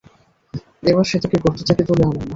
এবার সে তাকে গর্ত থেকে তুলে আনল না।